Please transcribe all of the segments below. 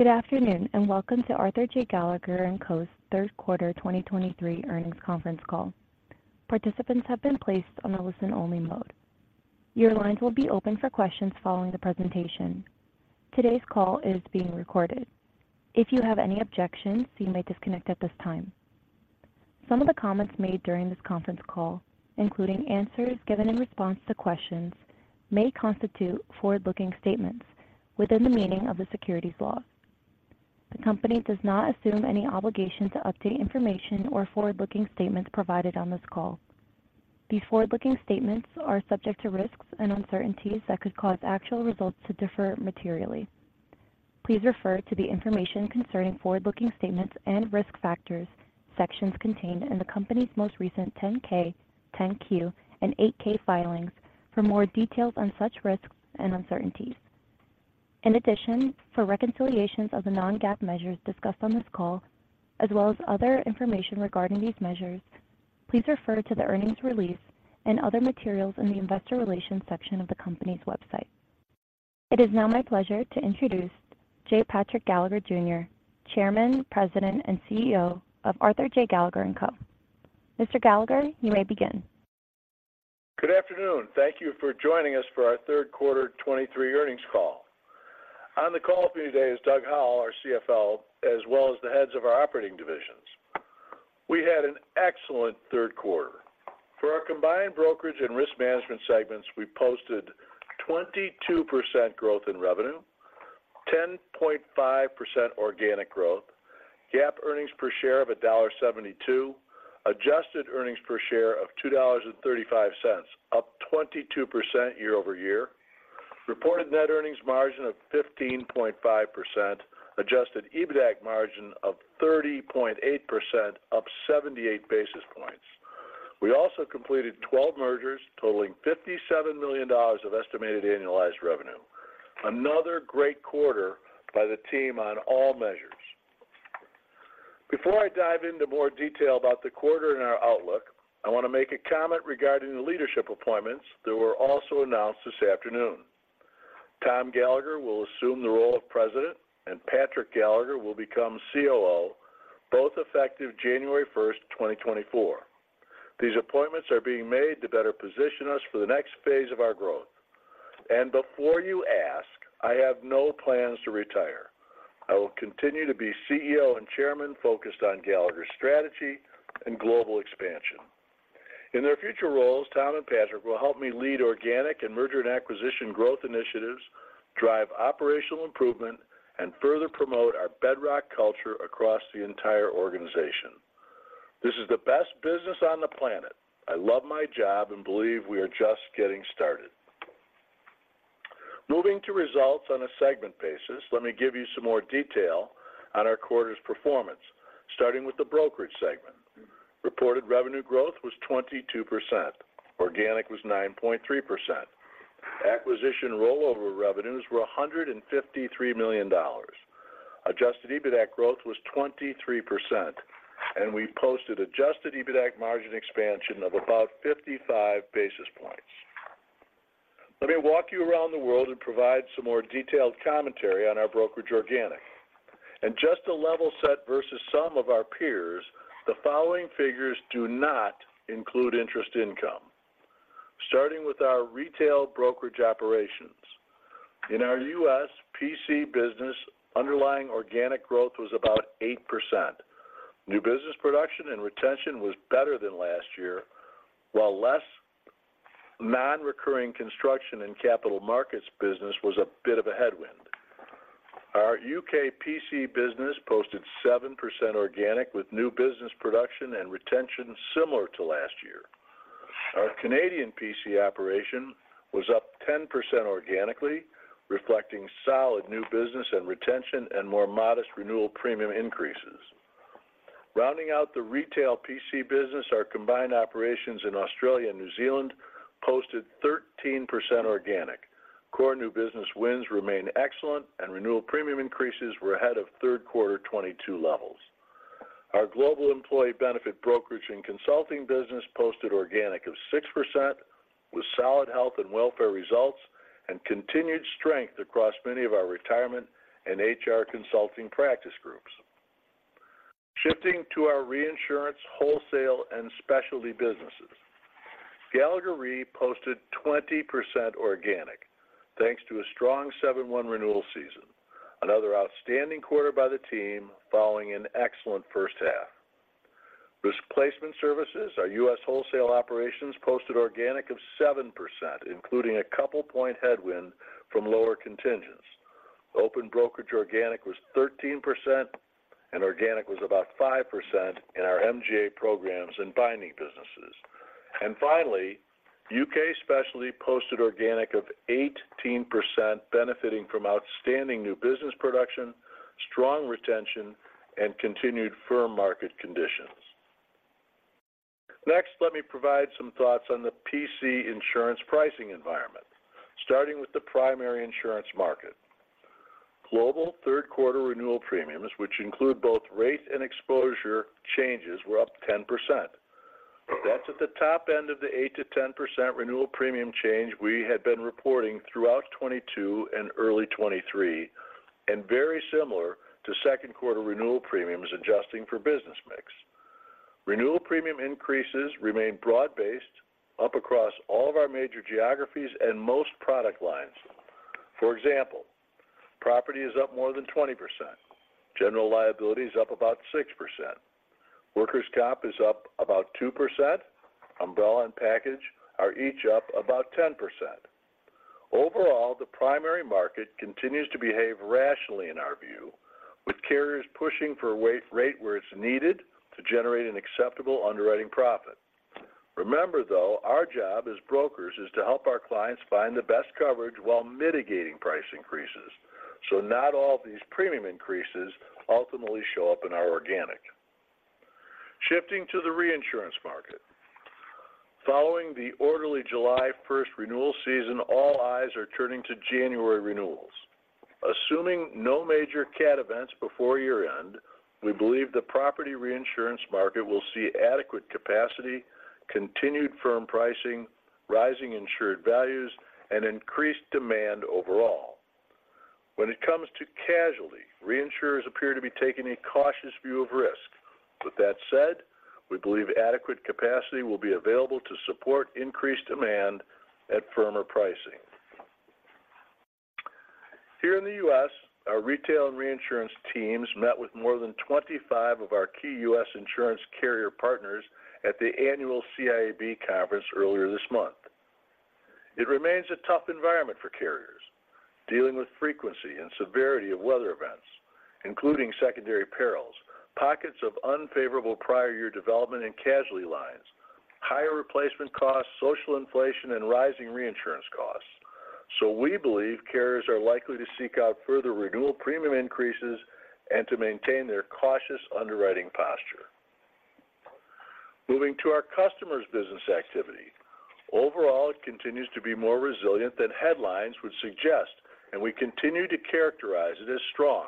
Good afternoon, and welcome to Arthur J. Gallagher & Co.'s third quarter 2023 earnings conference call. Participants have been placed on a listen-only mode. Your lines will be open for questions following the presentation. Today's call is being recorded. If you have any objections, you may disconnect at this time. Some of the comments made during this conference call, including answers given in response to questions, may constitute forward-looking statements within the meaning of the securities law. The Company does not assume any obligation to update information or forward-looking statements provided on this call. These forward-looking statements are subject to risks and uncertainties that could cause actual results to differ materially. Please refer to the Information concerning forward-looking statements and Risk Factors sections contained in the Company's most recent 10-K, 10-Q, and 8-K filings for more details on such risks and uncertainties. In addition, for reconciliations of the non-GAAP measures discussed on this call, as well as other information regarding these measures, please refer to the earnings release and other materials in the Investor Relations section of the Company's website. It is now my pleasure to introduce J. Patrick Gallagher, Jr., Chairman, President, and CEO of Arthur J. Gallagher & Co. Mr. Gallagher, you may begin. Good afternoon. Thank you for joining us for our third quarter 2023 earnings call. On the call with me today is Doug Howell, our CFO, as well as the heads of our operating divisions. We had an excellent third quarter. For our combined brokerage and risk management segments, we posted 22% growth in revenue, 10.5% organic growth, GAAP earnings per share of $1.72, adjusted earnings per share of $2.35, up 22% year-over-year, reported net earnings margin of 15.5%, Adjusted EBITDA margin of 30.8%, up 78 basis points. We also completed 12 mergers, totaling $57 million of estimated annualized revenue. Another great quarter by the team on all measures. Before I dive into more detail about the quarter and our outlook, I want to make a comment regarding the leadership appointments that were also announced this afternoon. Tom Gallagher will assume the role of President, and Patrick Gallagher will become COO, both effective January 1, 2024. These appointments are being made to better position us for the next phase of our growth. And before you ask, I have no plans to retire. I will continue to be CEO and Chairman, focused on Gallagher's strategy and global expansion. In their future roles, Tom and Patrick will help me lead organic and merger and acquisition growth initiatives, drive operational improvement, and further promote our bedrock culture across the entire organization. This is the best business on the planet. I love my job and believe we are just getting started. Moving to results on a segment basis, let me give you some more detail on our quarter's performance, starting with the brokerage segment. Reported revenue growth was 22%. Organic was 9.3%. Acquisition rollover revenues were $153 million. Adjusted EBITDA growth was 23%, and we posted adjusted EBITDA margin expansion of about 55 basis points. Let me walk you around the world and provide some more detailed commentary on our brokerage organic. Just to level set versus some of our peers, the following figures do not include interest income. Starting with our retail brokerage operations. In our U.S. P&C business, underlying organic growth was about 8%. New business production and retention was better than last year, while less non-recurring construction and capital markets business was a bit of a headwind. Our U.K. P&C business posted 7% organic, with new business production and retention similar to last year. Our Canadian P&C operation was up 10% organically, reflecting solid new business and retention and more modest renewal premium increases. Rounding out the retail P&C business, our combined operations in Australia and New Zealand posted 13% organic. Core new business wins remained excellent, and renewal premium increases were ahead of third quarter 2022 levels. Our global employee benefit brokerage and consulting business posted organic of 6%, with solid health and welfare results and continued strength across many of our retirement and HR consulting practice groups. Shifting to our reinsurance, wholesale, and specialty businesses. Gallagher Re posted 20% organic, thanks to a strong 7/1 renewal season, another outstanding quarter by the team following an excellent first half. Risk Placement Services, our U.S. wholesale operations, posted organic of 7%, including a couple point headwind from lower contingents. Open brokerage organic was 13%, and organic was about 5% in our MGA programs and binding businesses. Finally, U.K. Specialty posted organic of 18%, benefiting from outstanding new business production, strong retention, and continued firm market conditions. Next, let me provide some thoughts on the P&C insurance pricing environment, starting with the primary insurance market. Global third quarter renewal premiums, which include both rate and exposure changes, were up 10%. That's at the top end of the 8%-10% renewal premium change we had been reporting throughout 2022 and early 2023, and very similar to second quarter renewal premiums, adjusting for business mix. Renewal premium increases remain broad-based up across all of our major geographies and most product lines. For example, property is up more than 20%. General liability is up about 6%. Workers' comp is up about 2%. Umbrella and package are each up about 10%. Overall, the primary market continues to behave rationally in our view, with carriers pushing for a rate, rate where it's needed to generate an acceptable underwriting profit. Remember, though, our job as brokers is to help our clients find the best coverage while mitigating price increases. So not all of these premium increases ultimately show up in our organic. Shifting to the reinsurance market. Following the orderly July 1 renewal season, all eyes are turning to January renewals. Assuming no major cat events before year-end, we believe the property reinsurance market will see adequate capacity, continued firm pricing, rising insured values, and increased demand overall. When it comes to casualty, reinsurers appear to be taking a cautious view of risk. With that said, we believe adequate capacity will be available to support increased demand at firmer pricing. Here in the U.S., our retail and reinsurance teams met with more than 25 of our key U.S. insurance carrier partners at the annual CIAB conference earlier this month. It remains a tough environment for carriers, dealing with frequency and severity of weather events, including secondary perils, pockets of unfavorable prior year development in casualty lines, higher replacement costs, social inflation, and rising reinsurance costs. So we believe carriers are likely to seek out further renewal premium increases and to maintain their cautious underwriting posture. Moving to our customers' business activity. Overall, it continues to be more resilient than headlines would suggest, and we continue to characterize it as strong.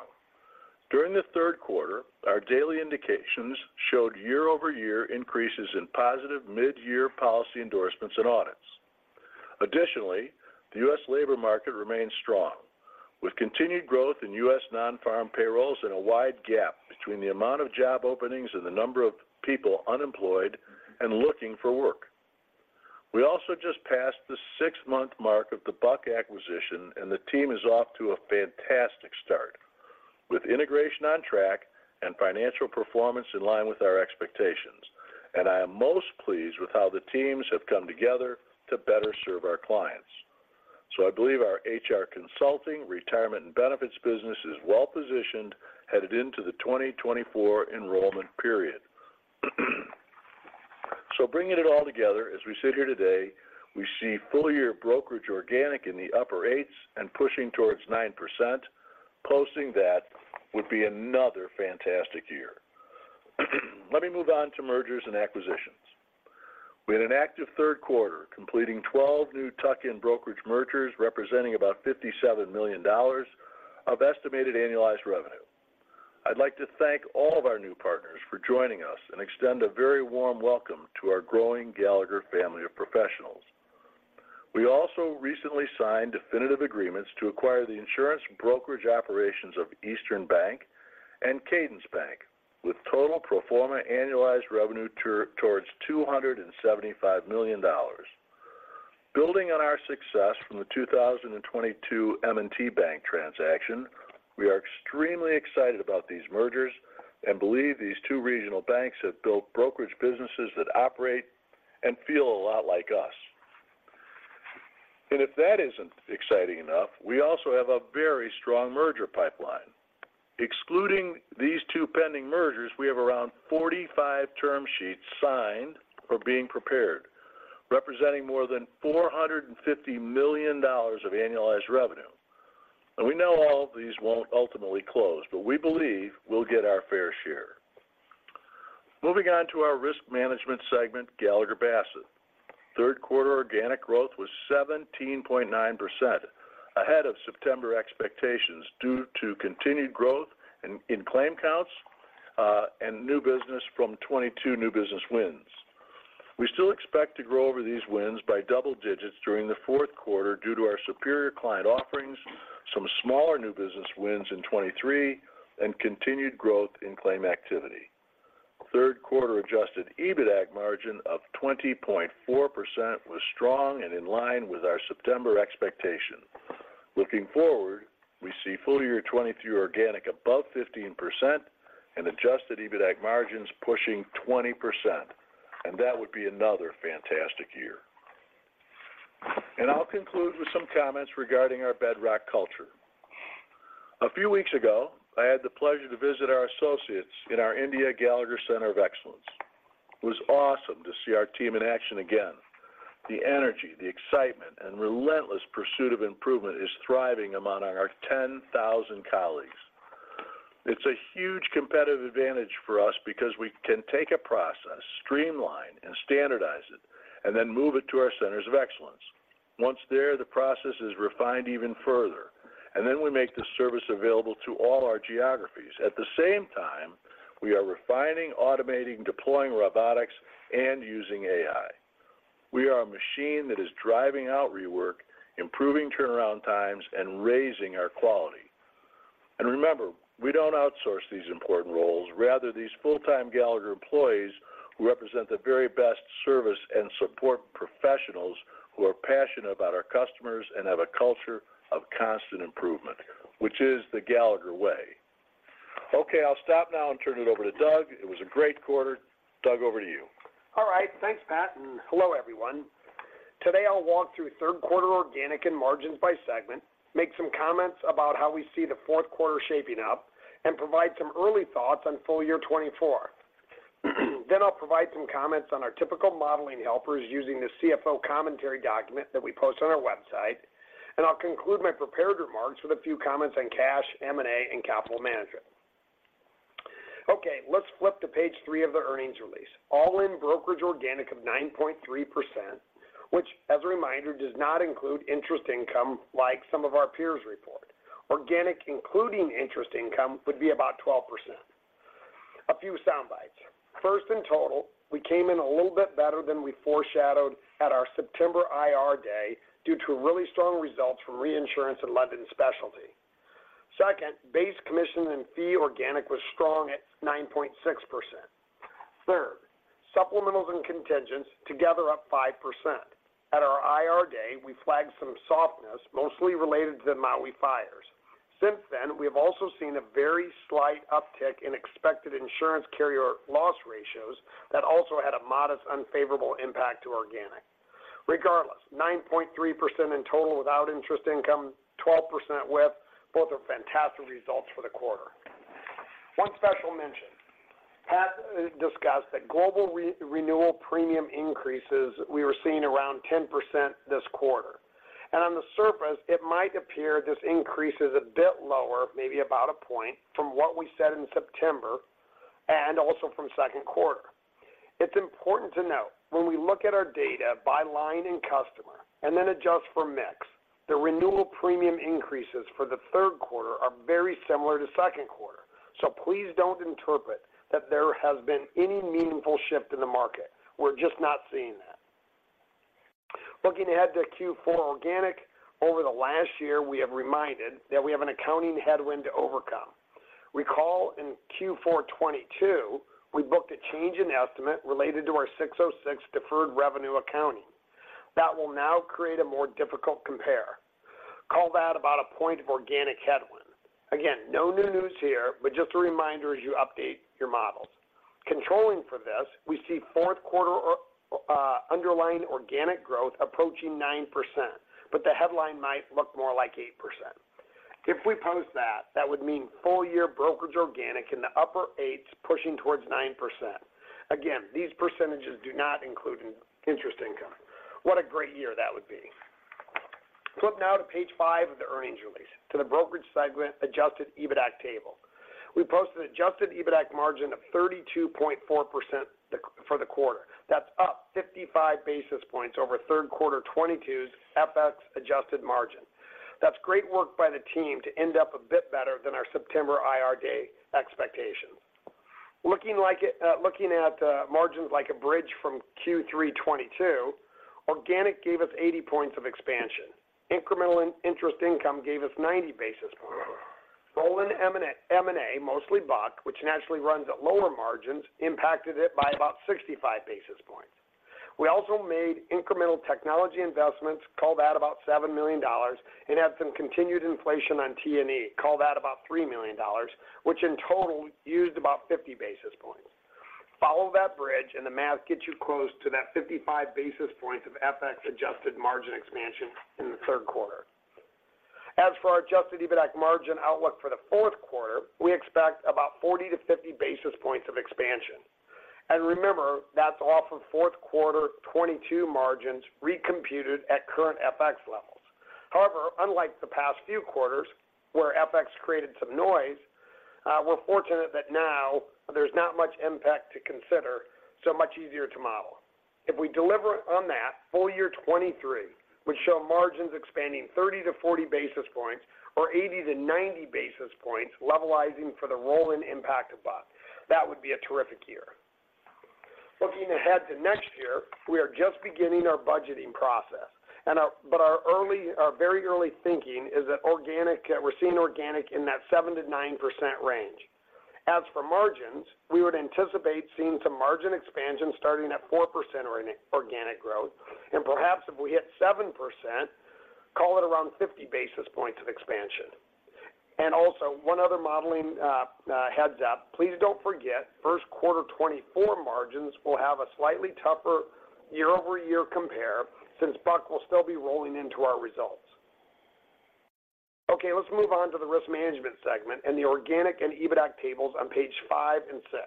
During the third quarter, our daily indications showed year-over-year increases in positive mid-year policy endorsements and audits. Additionally, the U.S. labor market remains strong, with continued growth in U.S. non-farm payrolls and a wide gap between the amount of job openings and the number of people unemployed and looking for work. We also just passed the six-month mark of the Buck acquisition, and the team is off to a fantastic start, with integration on track and financial performance in line with our expectations. I am most pleased with how the teams have come together to better serve our clients. I believe our HR consulting, retirement, and benefits business is well-positioned, headed into the 2024 enrollment period. Bringing it all together, as we sit here today, we see full-year brokerage organic in the upper 8s and pushing towards 9%. Posting that would be another fantastic year. Let me move on to mergers and acquisitions. We had an active third quarter, completing 12 new tuck-in brokerage mergers, representing about $57 million of estimated annualized revenue. I'd like to thank all of our new partners for joining us and extend a very warm welcome to our growing Gallagher family of professionals. We also recently signed definitive agreements to acquire the insurance brokerage operations of Eastern Bank and Cadence Bank, with total pro forma annualized revenue towards $275 million. Building on our success from the 2022 M&T Bank transaction, we are extremely excited about these mergers and believe these two regional banks have built brokerage businesses that operate and feel a lot like us. If that isn't exciting enough, we also have a very strong merger pipeline. Excluding these two pending mergers, we have around 45 term sheets signed or being prepared, representing more than $450 million of annualized revenue. We know all of these won't ultimately close, but we believe we'll get our fair share. Moving on to our risk management segment, Gallagher Bassett. Third quarter organic growth was 17.9%, ahead of September expectations, due to continued growth in claim counts and new business from 22 new business wins. We still expect to grow over these wins by double digits during the fourth quarter due to our superior client offerings, some smaller new business wins in 2023, and continued growth in claim activity. Third quarter Adjusted EBITDA margin of 20.4% was strong and in line with our September expectation. Looking forward, we see full year 2022 organic above 15% and Adjusted EBITDA margins pushing 20%, and that would be another fantastic year. I'll conclude with some comments regarding our bedrock culture. A few weeks ago, I had the pleasure to visit our associates in our India Gallagher Center of Excellence. It was awesome to see our team in action again. The energy, the excitement, and relentless pursuit of improvement is thriving among our 10,000 colleagues. It's a huge competitive advantage for us because we can take a process, streamline and standardize it, and then move it to our centers of excellence. Once there, the process is refined even further, and then we make this service available to all our geographies. At the same time, we are refining, automating, deploying robotics, and using AI. We are a machine that is driving out rework, improving turnaround times, and raising our quality. Remember, we don't outsource these important roles. Rather, these full-time Gallagher employees who represent the very best service and support professionals who are passionate about our customers and have a culture of constant improvement, which is the Gallagher way. Okay, I'll stop now and turn it over to Doug. It was a great quarter. Doug, over to you. All right, thanks, Pat, and hello, everyone. Today, I'll walk through third quarter organic and margins by segment, make some comments about how we see the fourth quarter shaping up, and provide some early thoughts on full year 2024. Then I'll provide some comments on our typical modeling helpers using the CFO commentary document that we post on our website, and I'll conclude my prepared remarks with a few comments on cash, M&A, and capital management. Okay, let's flip to page 3 of the earnings release. All-in brokerage organic of 9.3%, which, as a reminder, does not include interest income like some of our peers report. Organic, including interest income, would be about 12%. A few sound bites. First, in total, we came in a little bit better than we foreshadowed at our September IR day due to really strong results from Reinsurance and London Specialty. Second, base commission and fee organic was strong at 9.6%. Third, supplementals and contingents together up 5%. At our IR day, we flagged some softness, mostly related to the Maui fires. Since then, we have also seen a very slight uptick in expected insurance carrier loss ratios that also had a modest, unfavorable impact to organic. Regardless, 9.3% in total without interest income, 12% with. Both are fantastic results for the quarter. One special mention, Pat discussed that global renewal premium increases, we were seeing around 10% this quarter. On the surface, it might appear this increase is a bit lower, maybe about a point, from what we said in September and also from second quarter. It's important to note, when we look at our data by line and customer and then adjust for mix, the renewal premium increases for the third quarter are very similar to second quarter. Please don't interpret that there has been any meaningful shift in the market. We're just not seeing that. Looking ahead to Q4 organic, over the last year, we have reminded that we have an accounting headwind to overcome. Recall in Q4 2022, we booked a change in estimate related to our 606 deferred revenue accounting. That will now create a more difficult compare. Call that about a point of organic headwind. Again, no new news here, but just a reminder as you update your models. Controlling for this, we see fourth quarter underlying organic growth approaching 9%, but the headline might look more like 8%. If we post that, that would mean full-year brokerage organic in the upper 8s, pushing towards 9%. Again, these percentages do not include interest income. What a great year that would be. Flip now to page five of the earnings release, to the brokerage segment, Adjusted EBITDA table. We posted an Adjusted EBITDA margin of 32.4% for the quarter. That's up 55 basis points over third quarter 2022's FX adjusted margin. That's great work by the team to end up a bit better than our September IR day expectations. Looking like it, looking at, margins like a bridge from Q3 2022, organic gave us 80 points of expansion. Incremental interest income gave us 90 basis points. Rolling M&A, mostly Buck, which naturally runs at lower margins, impacted it by about 65 basis points. We also made incremental technology investments, call that about $7 million, and had some continued inflation on T&E, call that about $3 million, which in total used about 50 basis points. Follow that bridge, and the math gets you close to that 55 basis points of FX-adjusted margin expansion in the third quarter. As for our adjusted EBITDA margin outlook for the fourth quarter, we expect about 40-50 basis points of expansion. And remember, that's off of fourth quarter 2022 margins recomputed at current FX levels. However, unlike the past few quarters, where FX created some noise, we're fortunate that now there's not much impact to consider, so much easier to model. If we deliver on that full year 2023, which show margins expanding 30-40 basis points or 80-90 basis points, levelizing for the rolling impact of Buck, that would be a terrific year. Looking ahead to next year, we are just beginning our budgeting process, and our--but our early, our very early thinking is that organic, we're seeing organic in that 7%-9% range. As for margins, we would anticipate seeing some margin expansion starting at 4% organic growth, and perhaps if we hit 7%, call it around 50 basis points of expansion. And also, one other modeling heads up, please don't forget, first quarter 2024 margins will have a slightly tougher year-over-year compare since Buck will still be rolling into our results. Okay, let's move on to the risk management segment and the organic and EBITDA tables on page 5 and 6.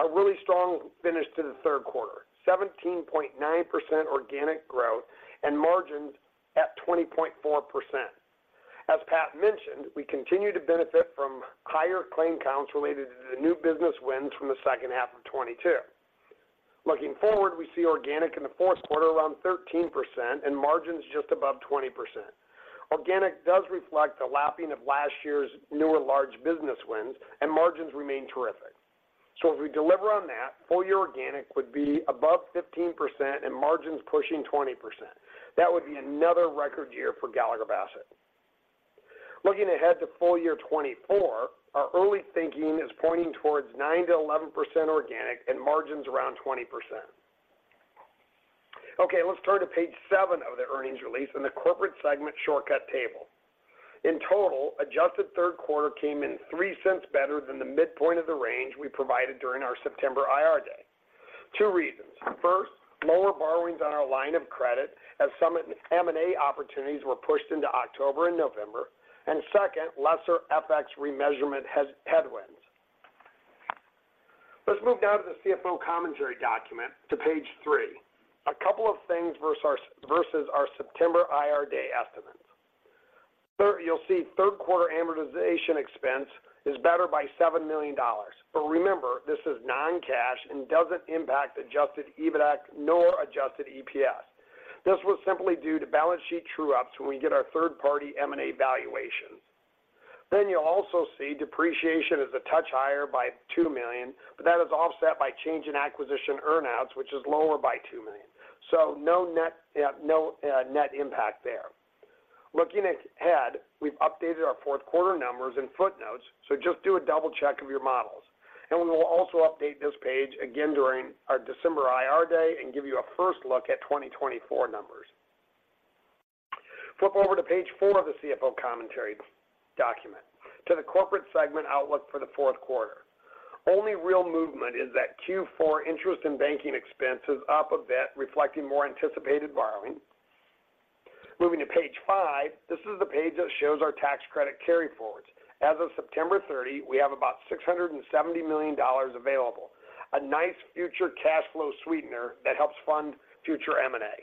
A really strong finish to the third quarter, 17.9% organic growth and margins at 20.4%.... As Pat mentioned, we continue to benefit from higher claim counts related to the new business wins from the second half of 2022. Looking forward, we see organic in the fourth quarter around 13% and margins just above 20%. Organic does reflect the lapping of last year's newer large business wins, and margins remain terrific. So if we deliver on that, full year organic would be above 15% and margins pushing 20%. That would be another record year for Gallagher Bassett. Looking ahead to full year 2024, our early thinking is pointing towards 9%-11% organic and margins around 20%. Okay, let's turn to page 7 of the earnings release and the corporate segment shortcut table. In total, adjusted third quarter came in $0.03 better than the midpoint of the range we provided during our September IR day. Two reasons: First, lower borrowings on our line of credit as some M&A opportunities were pushed into October and November, and second, lesser FX remeasurement headwinds. Let's move now to the CFO commentary document to page 3. A couple of things versus our September IR day estimates. Third, you'll see third quarter amortization expense is better by $7 million. But remember, this is non-cash and doesn't impact adjusted EBITDAC nor adjusted EPS. This was simply due to balance sheet true ups when we get our third-party M&A valuations. Then you'll also see depreciation is a touch higher by $2 million, but that is offset by change in acquisition earn-outs, which is lower by $2 million. So no net, no net impact there. Looking ahead, we've updated our fourth quarter numbers and footnotes, so just do a double check of your models. We will also update this page again during our December IR day and give you a first look at 2024 numbers. Flip over to page 4 of the CFO commentary document, to the corporate segment outlook for the fourth quarter. Only real movement is that Q4 interest in banking expense is up a bit, reflecting more anticipated borrowing. Moving to page 5, this is the page that shows our tax credit carryforwards. As of September 30, we have about $670 million available, a nice future cash flow sweetener that helps fund future M&A.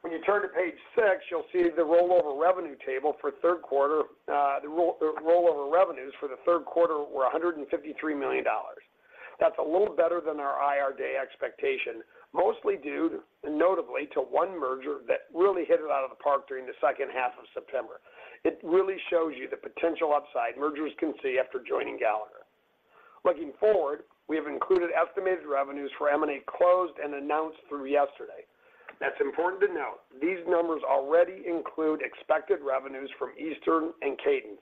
When you turn to page six, you'll see the rollover revenue table for third quarter. The rollover revenues for the third quarter were $153 million. That's a little better than our IR day expectation, mostly due notably to one merger that really hit it out of the park during the second half of September. It really shows you the potential upside mergers can see after joining Gallagher. Looking forward, we have included estimated revenues for M&A closed and announced through yesterday. That's important to note. These numbers already include expected revenues from Eastern and Cadence.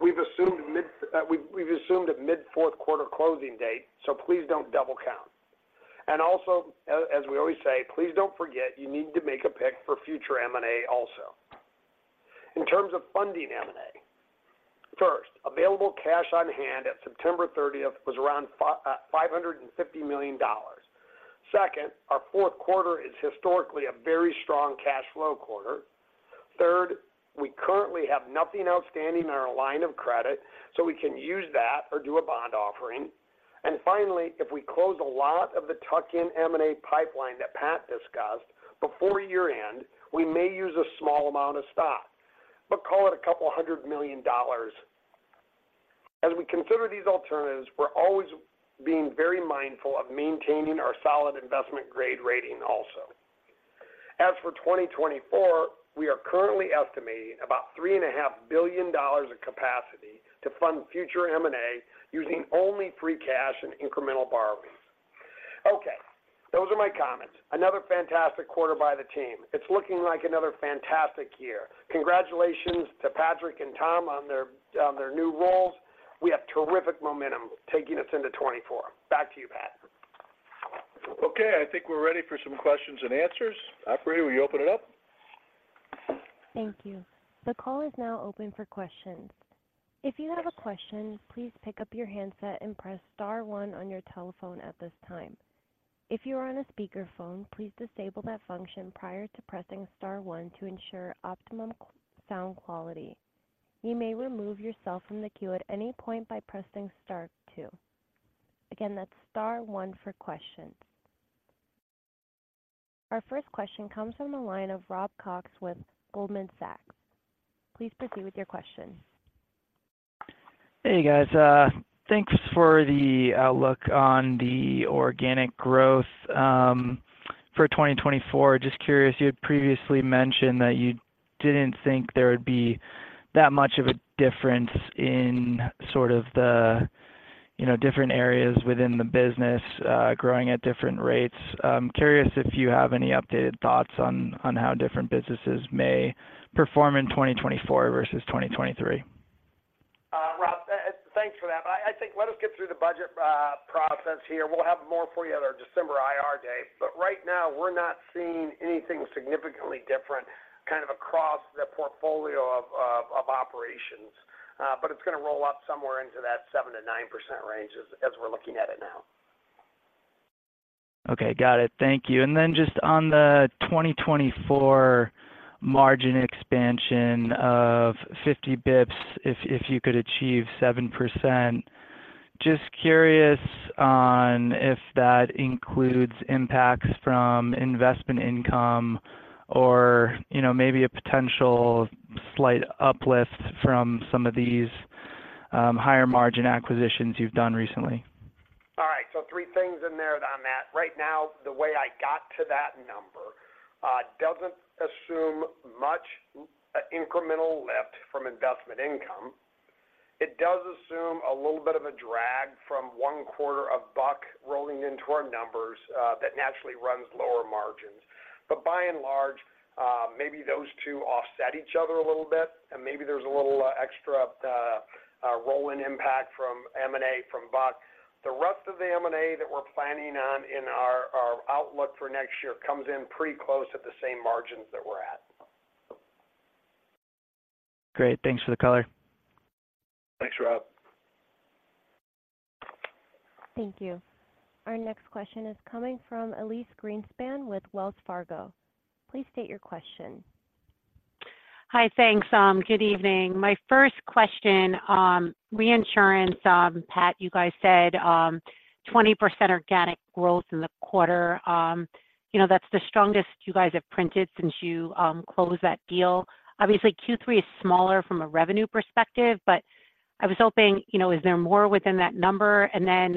We've assumed a mid-fourth quarter closing date, so please don't double count. As we always say, please don't forget, you need to make a pick for future M&A also. In terms of funding M&A, first, available cash on hand at September 30 was around $550 million. Second, our fourth quarter is historically a very strong cash flow quarter. Third, we currently have nothing outstanding in our line of credit, so we can use that or do a bond offering. Finally, if we close a lot of the tuck-in M&A pipeline that Pat discussed before year-end, we may use a small amount of stock, but call it a couple of hundred million dollars. As we consider these alternatives, we're always being very mindful of maintaining our solid investment grade rating also. As for 2024, we are currently estimating about $3.5 billion of capacity to fund future M&A, using only free cash and incremental borrowing. Okay, those are my comments. Another fantastic quarter by the team. It's looking like another fantastic year. Congratulations to Patrick and Tom on their, on their new roles. We have terrific momentum taking us into 2024. Back to you, Pat. Okay, I think we're ready for some questions and answers. Operator, will you open it up? Thank you. The call is now open for questions. If you have a question, please pick up your handset and press star one on your telephone at this time. If you are on a speakerphone, please disable that function prior to pressing star one to ensure optimum sound quality. You may remove yourself from the queue at any point by pressing star two. Again, that's star one for questions. Our first question comes from the line of Rob Cox with Goldman Sachs. Please proceed with your question. Hey, guys. Thanks for the outlook on the organic growth for 2024. Just curious, you had previously mentioned that you didn't think there would be that much of a difference in sort of the, you know, different areas within the business growing at different rates. I'm curious if you have any updated thoughts on how different businesses may perform in 2024 versus 2023. Rob, thanks for that. I think let us get through the budget process here. We'll have more for you on our December IR day, but right now we're not seeing anything significantly different, kind of across the portfolio of operations. But it's going to roll up somewhere into that 7%-9% range as we're looking at it now. Okay, got it. Thank you. And then just on the 2024 margin expansion of 50 basis points, if, if you could achieve 7%. Just curious on if that includes impacts from investment income or, you know, maybe a potential slight uplift from some of these, higher margin acquisitions you've done recently? All right. So three things in there on that. Right now, the way I got to that number, doesn't assume much, incremental lift from investment income. It does assume a little bit of a drag from one quarter of Buck rolling into our numbers, that naturally runs lower margins. But by and large, maybe those two offset each other a little bit, and maybe there's a little, extra, roll-in impact from M&A from Buck. The rest of the M&A that we're planning on in our, our outlook for next year comes in pretty close at the same margins that we're at. Great. Thanks for the color. Thanks, Rob. Thank you. Our next question is coming from Elyse Greenspan with Wells Fargo. Please state your question. Hi, thanks. Good evening. My first question, reinsurance. Pat, you guys said, 20% organic growth in the quarter. You know, that's the strongest you guys have printed since you closed that deal. Obviously, Q3 is smaller from a revenue perspective, but I was hoping, you know, is there more within that number? And then,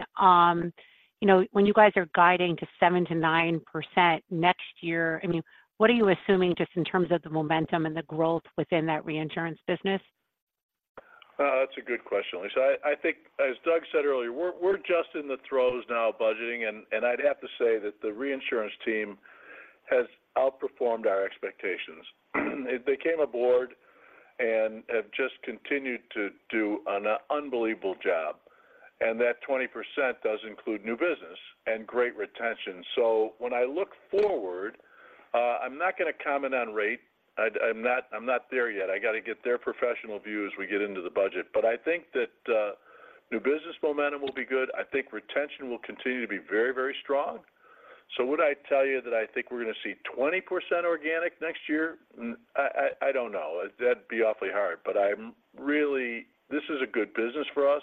you know, when you guys are guiding to 7%-9% next year, I mean, what are you assuming just in terms of the momentum and the growth within that reinsurance business? That's a good question, Elyse. I think as Doug said earlier, we're just in the throes now budgeting, and I'd have to say that the reinsurance team has outperformed our expectations. They came aboard and have just continued to do an unbelievable job, and that 20% does include new business and great retention. When I look forward, I'm not going to comment on rate. I'm not there yet. I got to get their professional view as we get into the budget. I think that new business momentum will be good. I think retention will continue to be very, very strong. Would I tell you that I think we're going to see 20% organic next year? I don't know. That'd be awfully hard, but I'm really-- this is a good business for us.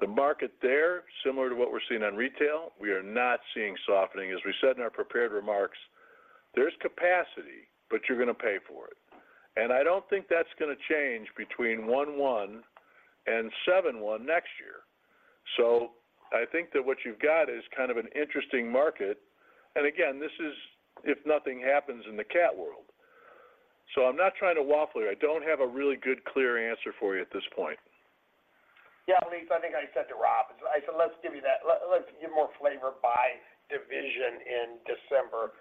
The market there, similar to what we're seeing on retail, we are not seeing softening. As we said in our prepared remarks, there's capacity, but you're going to pay for it. And I don't think that's going to change between 1/1 and 7/1 next year. So I think that what you've got is kind of an interesting market, and again, this is if nothing happens in the cat world. So I'm not trying to waffle here. I don't have a really good, clear answer for you at this point. Yeah, Elyse, I think I said to Rob, I said, "Let's give you that. Let's give more flavor by division in December."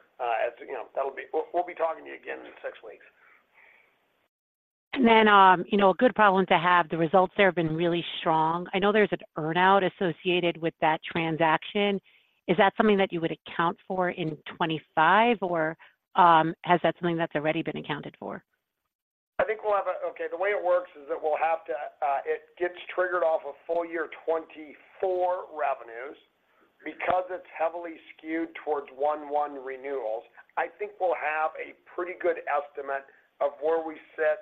As you know, that'll be. We'll be talking to you again in six weeks. And then, you know, a good problem to have, the results there have been really strong. I know there's an earn-out associated with that transaction. Is that something that you would account for in 2025, or, is that something that's already been accounted for? I think we'll have. Okay, the way it works is that we'll have to, it gets triggered off of full year 2024 revenues. Because it's heavily skewed towards 1/1 renewals, I think we'll have a pretty good estimate of where we sit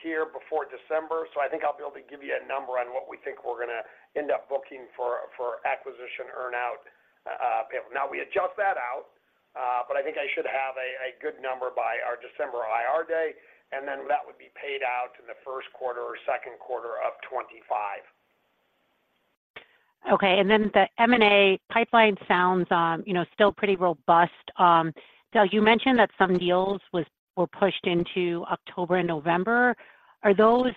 here before December. So I think I'll be able to give you a number on what we think we're going to end up booking for, for acquisition earn-out payment. Now, we adjust that out, but I think I should have a good number by our December IR day, and then that would be paid out in the first quarter or second quarter of 2025. Okay, and then the M&A pipeline sounds, you know, still pretty robust. Doug, you mentioned that some deals was, were pushed into October and November. Are those,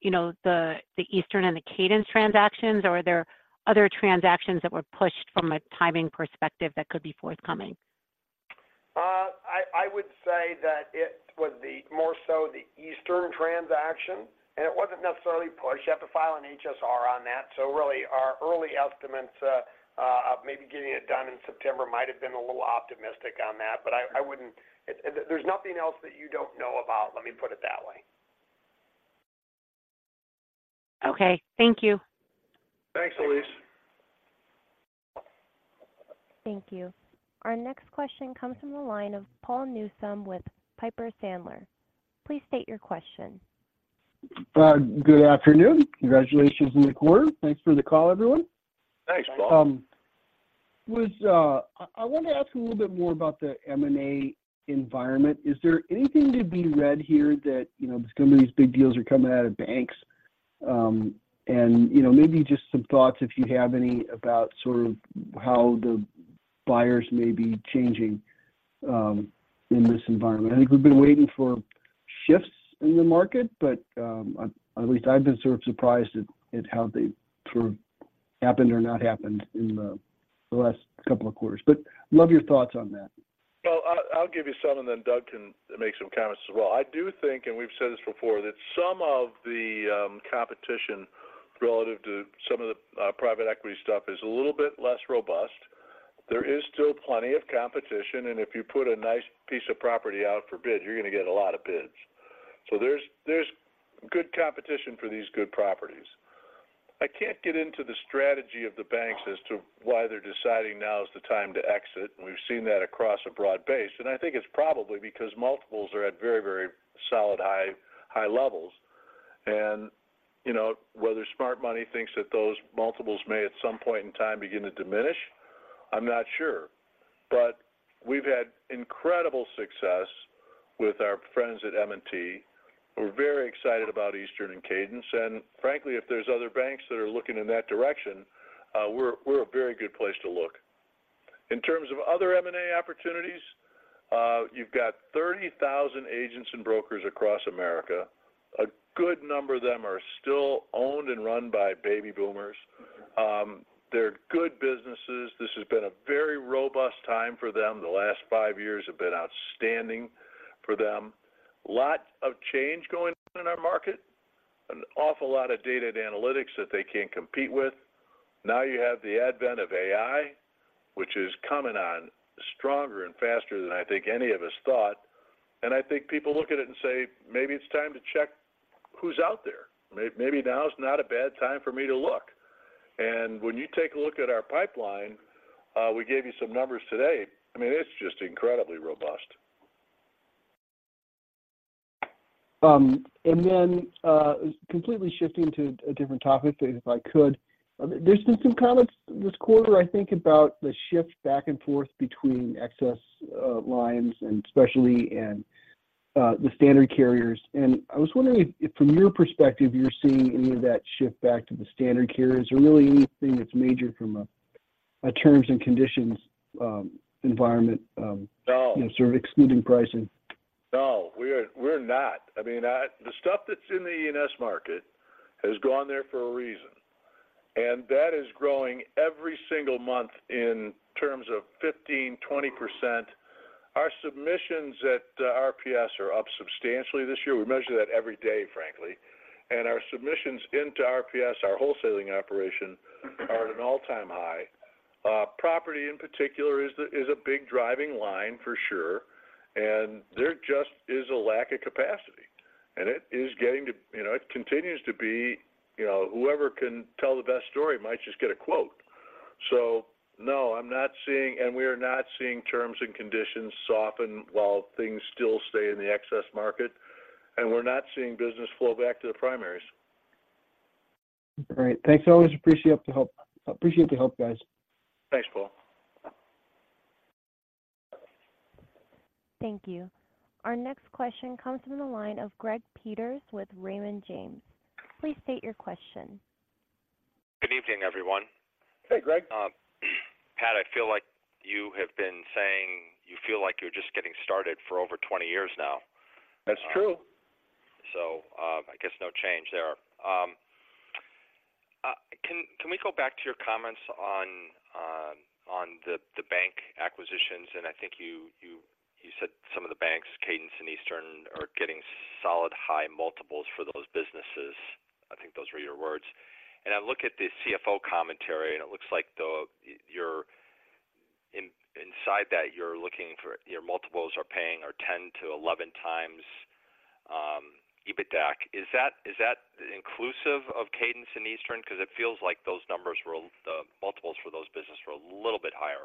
you know, the Eastern and the Cadence transactions, or are there other transactions that were pushed from a timing perspective that could be forthcoming? I would say that it was more so the Eastern transaction, and it wasn't necessarily pushed. You have to file an HSR on that. So really, our early estimates of maybe getting it done in September might have been a little optimistic on that, but I wouldn't. There's nothing else that you don't know about, let me put it that way. Okay. Thank you. Thanks, Elise. Thank you. Our next question comes from the line of Paul Newsome with Piper Sandler. Please state your question. Good afternoon. Congratulations on the quarter. Thanks for the call, everyone. Thanks, Paul. I wanted to ask a little bit more about the M&A environment. Is there anything to be read here that, you know, some of these big deals are coming out of banks? And, you know, maybe just some thoughts, if you have any, about sort of how the buyers may be changing in this environment. I think we've been waiting for shifts in the market, but at least I've been sort of surprised at how they sort of happened or not happened in the last couple of quarters. But love your thoughts on that. Well, I'll give you some, and then Doug can make some comments as well. I do think, and we've said this before, that some of the competition relative to some of the private equity stuff is a little bit less robust. There is still plenty of competition, and if you put a nice piece of property out for bid, you're going to get a lot of bids. There's good competition for these good properties. I can't get into the strategy of the banks as to why they're deciding now is the time to exit, we've seen that across a broad base. I think it's probably because multiples are at very, very solid, high, high levels. You know, whether smart money thinks that those multiples may at some point in time begin to diminish, I'm not sure. But we've had incredible success with our friends at M&T, we're very excited about Eastern and Cadence, and frankly, if there's other banks that are looking in that direction, we're, we're a very good place to look. In terms of other M&A opportunities, you've got 30,000 agents and brokers across America. A good number of them are still owned and run by baby boomers. They're good businesses. This has been a very robust time for them. The last five years have been outstanding for them. A lot of change going on in our market, an awful lot of data and analytics that they can't compete with. Now, you have the advent of AI, which is coming on stronger and faster than I think any of us thought, and I think people look at it and say, "Maybe it's time to check who's out there. Maybe now is not a bad time for me to look. And when you take a look at our pipeline, we gave you some numbers today. I mean, it's just incredibly robust. Then, completely shifting to a different topic, if I could. There's been some comments this quarter, I think, about the shift back and forth between excess lines and specialty and the standard carriers. I was wondering if, from your perspective, you're seeing any of that shift back to the standard carriers, or really anything that's major from a terms and conditions environment? No... sort of excluding pricing? No, we're not. I mean, the stuff that's in the E&S market has gone there for a reason, and that is growing every single month in terms of 15%-20%. Our submissions at RPS are up substantially this year. We measure that every day, frankly. And our submissions into RPS, our wholesaling operation, are at an all-time high. Property, in particular, is a big driving line, for sure, and there just is a lack of capacity, and it is getting to, you know, it continues to be, you know, whoever can tell the best story might just get a quote. So no, I'm not seeing, and we are not seeing terms and conditions soften while things still stay in the excess market, and we're not seeing business flow back to the primaries. Great. Thanks, I always appreciate the help. I appreciate the help, guys. Thanks, Paul. Thank you. Our next question comes from the line of Greg Peters with Raymond James. Please state your question. Good evening, everyone. Hey, Greg. Pat, I feel like you have been saying you feel like you're just getting started for over 20 years now. That's true. I guess no change there. Can we go back to your comments on the bank acquisitions? And I think you said some of the banks, Cadence and Eastern, are getting solid high multiples for those businesses. I think those were your words. And I look at the CFO commentary, and it looks like you're inside that, you're looking for your multiples are paying are 10-11x EBITDA. Is that inclusive of Cadence and Eastern? Because it feels like those numbers were the multiples for those businesses were a little bit higher.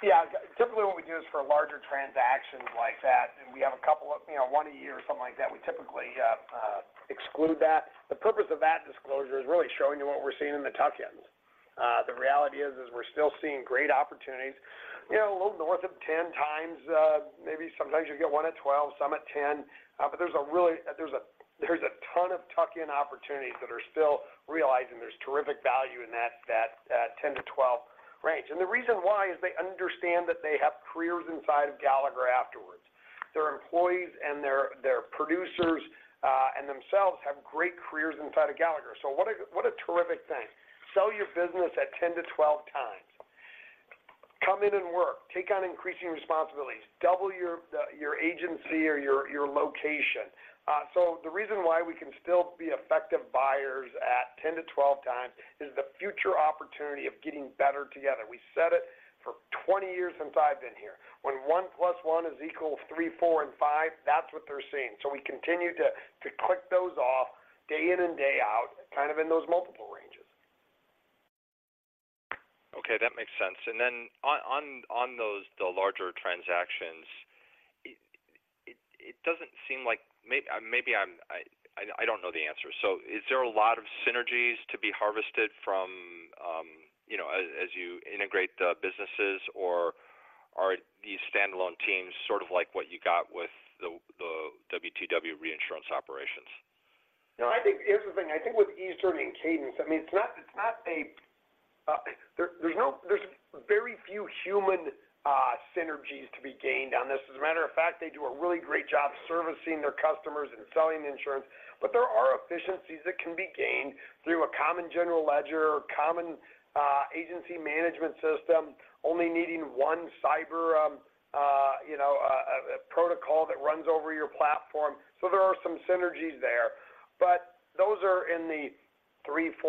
Yeah, typically, what we do is for a larger transaction like that, and we have a couple of, you know, one a year or something like that, we typically exclude that. The purpose of that disclosure is really showing you what we're seeing in the tuck-ins. The reality is, we're still seeing great opportunities, you know, a little north of 10 times, maybe sometimes you get one at 12, some at 10. But there's a ton of tuck-in opportunities that are still realizing there's terrific value in that 10-12 range. And the reason why is they understand that they have careers inside of Gallagher afterwards. Their employees and their producers and themselves have great careers inside of Gallagher. So what a terrific thing. Sell your business at 10-12 times. Come in and work, take on increasing responsibilities, double your agency or your location. So the reason why we can still be effective buyers at 10-12 times is the future opportunity of getting better together. We said it for 20 years since I've been here, when 1 + 1 is equal 3, 4, and 5, that's what they're seeing. So we continue to click those off day in and day out, kind of in those multiple ranges. Okay, that makes sense. Then on those larger transactions, it doesn't seem like maybe I'm—I don't know the answer. So is there a lot of synergies to be harvested from, you know, as you integrate the businesses, or are these standalone teams sort of like what you got with the WTW reinsurance operations? No, I think here's the thing. I think with Eastern and Cadence, I mean, it's not. There's very few human synergies to be gained on this. As a matter of fact, they do a really great job servicing their customers and selling the insurance, but there are efficiencies that can be gained through a common general ledger or common agency management system, only needing one cyber, you know, a protocol that runs over your platform. So there are some synergies there, but those are in the $3 million, $4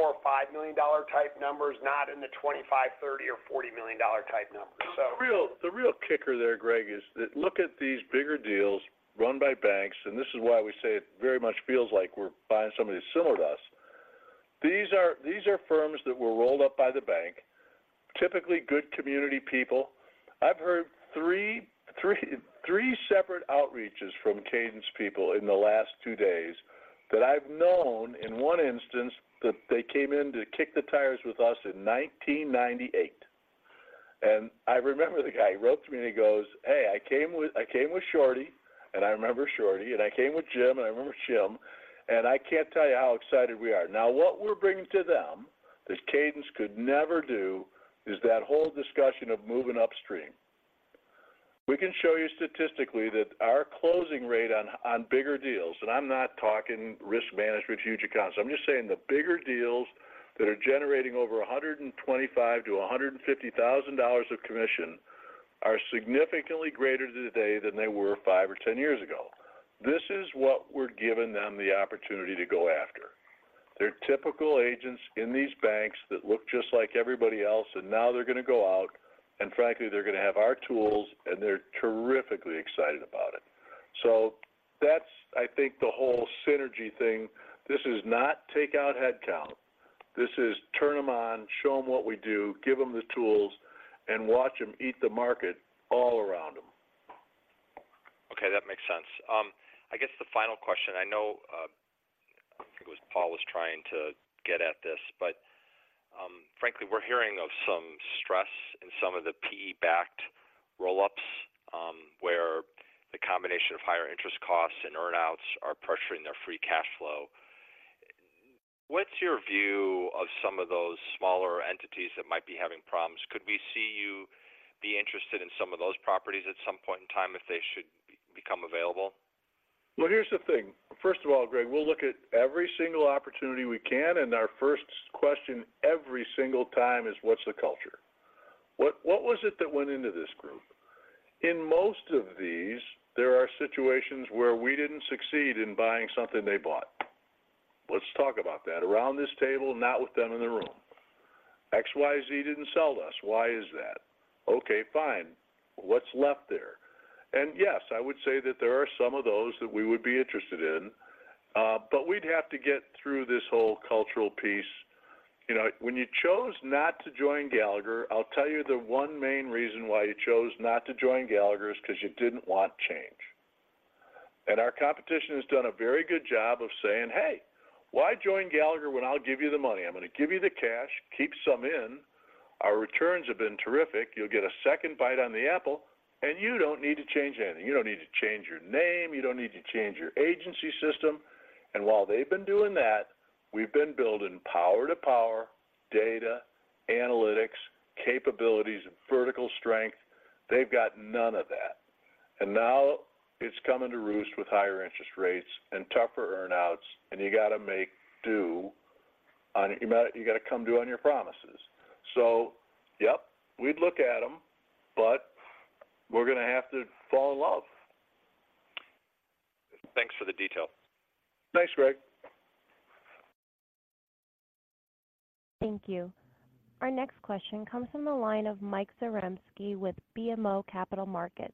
million, $5 million type numbers, not in the $25 million, $30 million, or $40 million type numbers, so. The real, the real kicker there, Greg, is that look at these bigger deals run by banks, and this is why we say it very much feels like we're buying somebody similar to us.... These are, these are firms that were rolled up by the bank. Typically good community people. I've heard 3, 3, 3 separate outreaches from Cadence people in the last two days, that I've known in one instance, that they came in to kick the tires with us in 1998. And I remember the guy. He wrote to me and he goes: "Hey, I came with, I came with Shorty," and I remember Shorty, "And I came with Jim," and I remember Jim, "And I can't tell you how excited we are." Now, what we're bringing to them, that Cadence could never do, is that whole discussion of moving upstream. We can show you statistically that our closing rate on bigger deals, and I'm not talking risk management, huge accounts. I'm just saying the bigger deals that are generating over $125,000-$150,000 of commission, are significantly greater today than they were five or 10 years ago. This is what we're giving them the opportunity to go after. They're typical agents in these banks that look just like everybody else, and now they're gonna go out, and frankly, they're gonna have our tools, and they're terrifically excited about it. So that's, I think, the whole synergy thing. This is not take out headcount. This is turn them on, show them what we do, give them the tools, and watch them eat the market all around them. Okay, that makes sense. I guess the final question, I know, I think it was Paul was trying to get at this, but, frankly, we're hearing of some stress in some of the PE-backed roll-ups, where the combination of higher interest costs and earn-outs are pressuring their free cash flow. What's your view of some of those smaller entities that might be having problems? Could we see you be interested in some of those properties at some point in time if they should become available? Well, here's the thing. First of all, Greg, we'll look at every single opportunity we can, and our first question every single time is: What's the culture? What was it that went into this group? In most of these, there are situations where we didn't succeed in buying something they bought. Let's talk about that around this table, not with them in the room. XYZ didn't sell to us. Why is that? Okay, fine. What's left there? And yes, I would say that there are some of those that we would be interested in, but we'd have to get through this whole cultural piece. You know, when you chose not to join Gallagher, I'll tell you the one main reason why you chose not to join Gallagher is because you didn't want change. Our competition has done a very good job of saying: Hey, why join Gallagher when I'll give you the money? I'm going to give you the cash, keep some in. Our returns have been terrific. You'll get a second bite on the apple, and you don't need to change anything. You don't need to change your name, you don't need to change your agency system. While they've been doing that, we've been building power to power, data, analytics, capabilities, and vertical strength. They've got none of that. Now it's coming to roost with higher interest rates and tougher earn-outs, and you got to make do on... You got to come do on your promises. Yep, we'd look at them, but we're going to have to fall in love. Thanks for the detail. Thanks, Greg. Thank you. Our next question comes from the line of Mike Zaremski with BMO Capital Markets.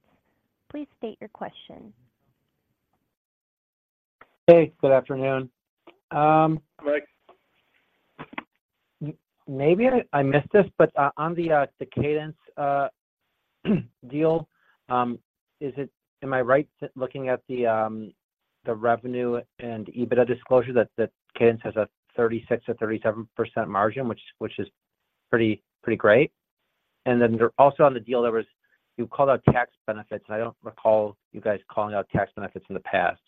Please state your question. Hey, good afternoon. Mike. Maybe I missed this, but on the Cadence deal, is it-- am I right to looking at the revenue and EBITDA disclosure that Cadence has a 36%-37% margin, which is pretty, pretty great? Also on the deal, you called out tax benefits, and I don't recall you guys calling out tax benefits in the past.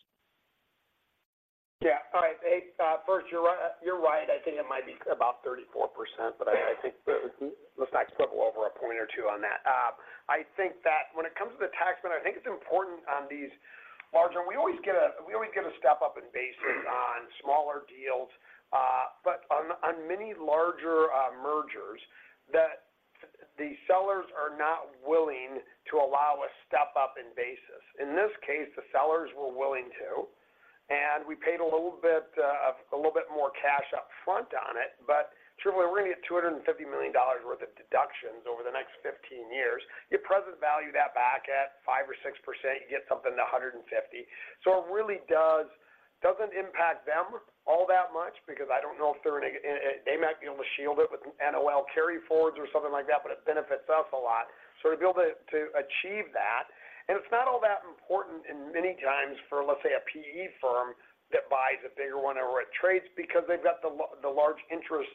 Yeah. All right. Hey, first, you're right, you're right. I think it might be about 34%, but I, I think let's not quibble over a point or two on that. I think that when it comes to the tax benefit, I think it's important on these margin. We always get a, we always get a step up in basis on smaller deals, but on many larger mergers, that the sellers are not willing to allow a step up in basis. In this case, the sellers were willing to, and we paid a little bit more cash up front on it. But certainly, we're going to get $250 million worth of deductions over the next 15 years. You present value that back at 5% or 6%, you get something to $150 million. So it really doesn't impact them all that much because I don't know if they're going to... They might be able to shield it with NOL carryforwards or something like that, but it benefits us a lot. So to be able to, to achieve that, and it's not all that important in many times for, let's say, a PE firm that buys a bigger one or it trades because they've got the large interest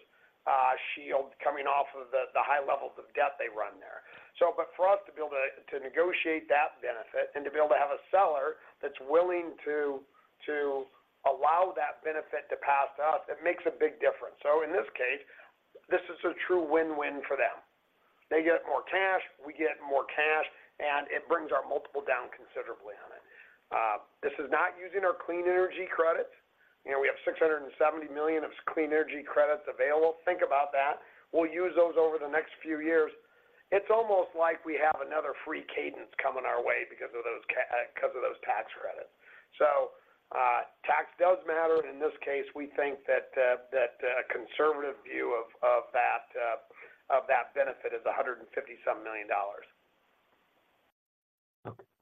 shield coming off of the, the high levels of debt they run there. So but for us to be able to, to negotiate that benefit and to be able to have a seller that's willing to, to allow that benefit to pass up, it makes a big difference. So in this case, this is a true win-win for them. They get more cash, we get more cash, and it brings our multiple down considerably on it. This is not using our clean energy credits. You know, we have $670 million of clean energy credits available. Think about that. We'll use those over the next few years. It's almost like we have another free Cadence coming our way because of those tax credits. So, tax does matter. In this case, we think that conservative view of that benefit is $150-some million.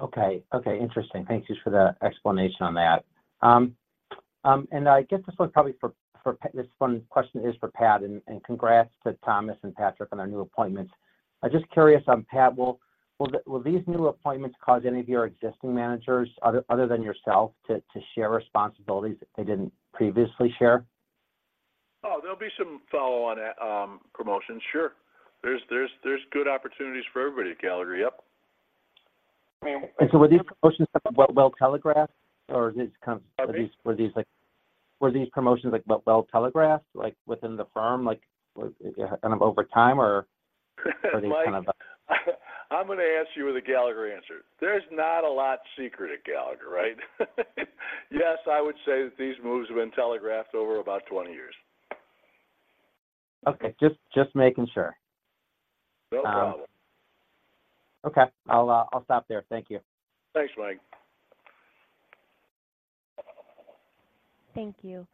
Okay, okay, interesting. Thank you for the explanation on that. I guess this one probably for Pat, this one question is for Pat, and congrats to Tom and Patrick on their new appointments. I'm just curious on, Pat, will these new appointments cause any of your existing managers, other than yourself, to share responsibilities that they didn't previously share? Oh, there'll be some follow-on promotions. Sure. There's good opportunities for everybody at Gallagher. Yep. Were these promotions well, well telegraphed, or did it come- Pardon me? Were these promotions like well telegraphed like kind of over time or- Mike- Or these kind of, I'm going to answer you with a Gallagher answer: There's not a lot secret at Gallagher, right? Yes, I would say that these moves have been telegraphed over about 20 years. Okay. Just, just making sure. No problem. Okay. I'll, I'll stop there. Thank you. Thanks, Mike. Thank you.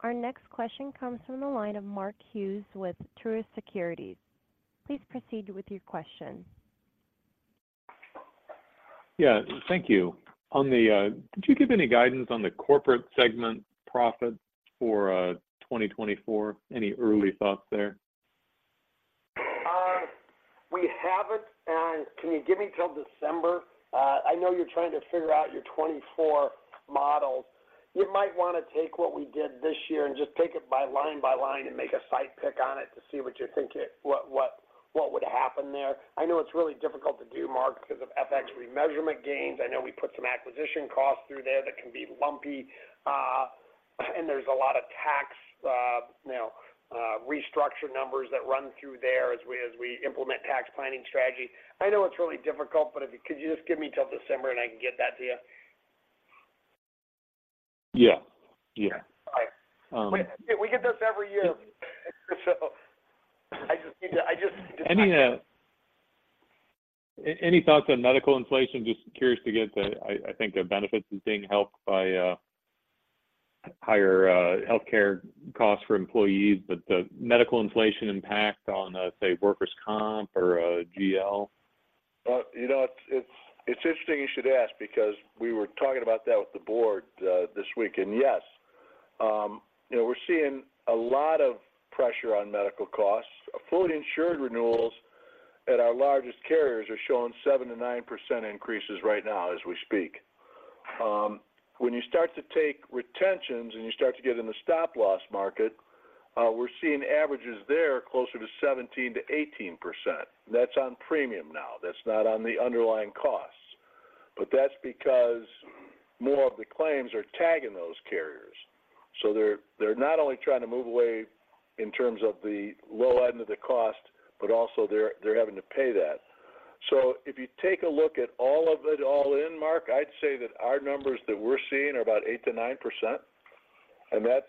Our next question comes from the line of Mark Hughes with Truist Securities. Please proceed with your question. Yeah, thank you. On the... Did you give any guidance on the corporate segment profits for 2024? Any early thoughts there? We haven't, and can you give me till December? I know you're trying to figure out your 24 models. You might want to take what we did this year and just take it by line by line and make a sight pick on it to see what you're thinking, what, what, what would happen there. I know it's really difficult to do, Mark, because of FX remeasurement gains. I know we put some acquisition costs through there that can be lumpy. And there's a lot of tax, you know, restructure numbers that run through there as we implement tax planning strategy. I know it's really difficult, but if you—could you just give me till December, and I can get that to you? Yeah, yeah. All right. Um- We get this every year, so I just need to. Any thoughts on medical inflation? Just curious to get the... I think the benefits is being helped by higher healthcare costs for employees, but the medical inflation impact on, say, workers' comp or GL. You know what? It's, it's interesting you should ask because we were talking about that with the board, this week, and yes, you know, we're seeing a lot of pressure on medical costs. Fully insured renewals at our largest carriers are showing 7%-9% increases right now as we speak. When you start to take retentions, and you start to get in the stop loss market, we're seeing averages there closer to 17%-18%. That's on premium now. That's not on the underlying costs, but that's because more of the claims are tagging those carriers. So they're, they're not only trying to move away in terms of the low end of the cost, but also they're, they're having to pay that. So if you take a look at all of it, all in, Mark, I'd say that our numbers that we're seeing are about 8%-9%, and that's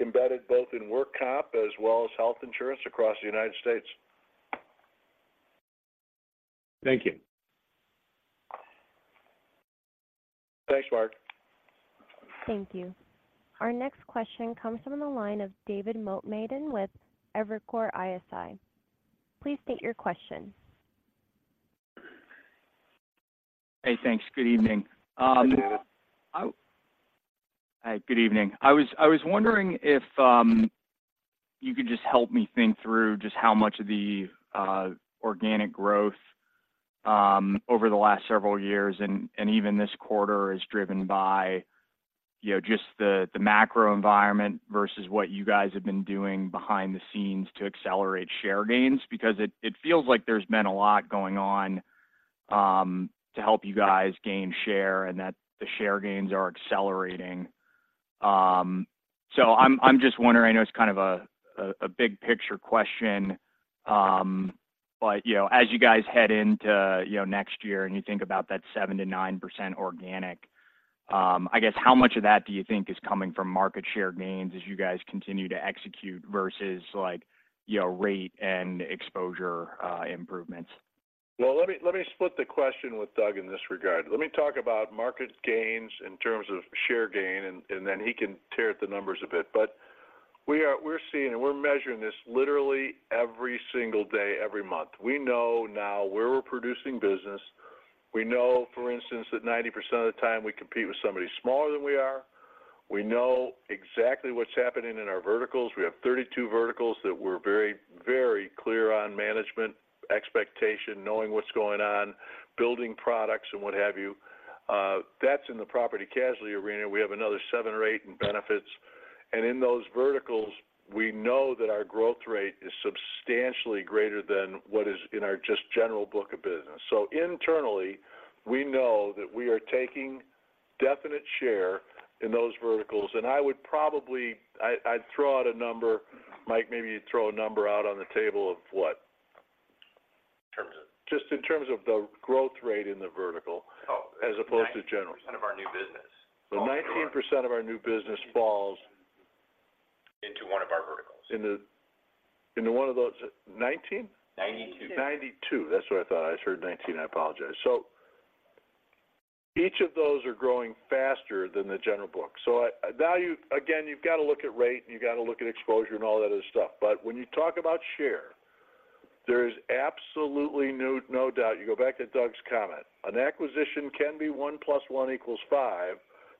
embedded both in work comp as well as health insurance across the United States. Thank you. Thanks, Mark. Thank you. Our next question comes from the line of David Motemaden with Evercore ISI. Please state your question. Hey, thanks. Good evening. Hello. Hi, good evening. I was wondering if you could just help me think through just how much of the organic growth over the last several years and even this quarter is driven by, you know, just the macro environment versus what you guys have been doing behind the scenes to accelerate share gains. Because it feels like there's been a lot going on to help you guys gain share and that the share gains are accelerating. I'm just wondering, I know it's kind of a big picture question, but, you know, as you guys head into, you know, next year and you think about that 7%-9% organic, I guess, how much of that do you think is coming from market share gains as you guys continue to execute versus like, you know, rate and exposure improvements? Well, let me split the question with Doug in this regard. Let me talk about market gains in terms of share gain, and then he can tear at the numbers a bit. We are—we're seeing, and we're measuring this literally every single day, every month. We know now where we're producing business. We know, for instance, that 90% of the time we compete with somebody smaller than we are. We know exactly what's happening in our verticals. We have 32 verticals that we're very, very clear on management expectation, knowing what's going on, building products and what have you. That's in the property and casualty arena. We have another 7 or 8 in benefits. In those verticals, we know that our growth rate is substantially greater than what is in our just general book of business. So internally, we know that we are taking definite share in those verticals, and I would probably... I, I'd throw out a number. Mike, maybe you'd throw a number out on the table of what? In terms of? Just in terms of the growth rate in the vertical- Oh. - as opposed to general. 19% of our new business. So 19% of our new business falls- Into one of our verticals. Into one of those... 19? Ninety-two. 92. That's what I thought. I just heard 19. I apologize. So, each of those are growing faster than the general book. So I, now you, again, you've got to look at rate, and you've got to look at exposure and all that other stuff. But when you talk about share, there is absolutely no, no doubt. You go back to Doug's comment. An acquisition can be 1 + 1 = 5,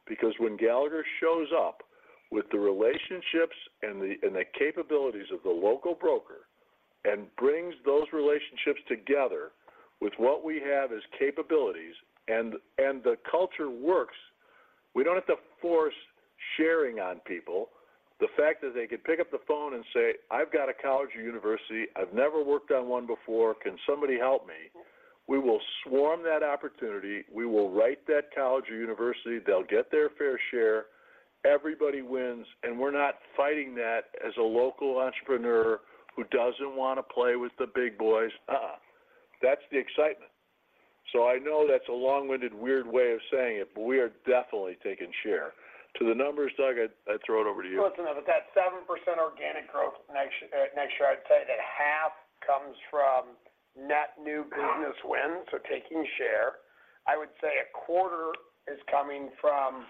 because when Gallagher shows up with the relationships and the, and the capabilities of the local broker and brings those relationships together with what we have as capabilities and, and the culture works, we don't have to force sharing on people. The fact that they could pick up the phone and say, "I've got a college or university. I've never worked on one before. Can somebody help me?" We will swarm that opportunity. We will write that college or university. They'll get their fair share. Everybody wins, and we're not fighting that as a local entrepreneur who doesn't want to play with the big boys. Uh-uh, that's the excitement. So I know that's a long-winded, weird way of saying it, but we are definitely taking share. To the numbers, Doug, I throw it over to you. Listen, of that 7% organic growth next year, next year, I'd say that half comes from net new business wins, so taking share. I would say a quarter is coming from,